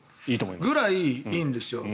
それぐらいいいんですよ。